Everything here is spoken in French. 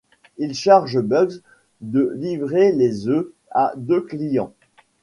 Il charge Bugs de livrer les œufs à deux clients.